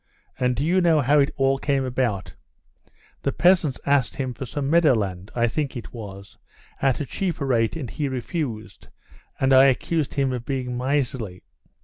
And do you know how it all came about? The peasants asked him for some meadowland, I think it was, at a cheaper rate, and he refused, and I accused him of being miserly.